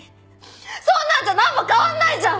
そんなんじゃ何も変わんないじゃん！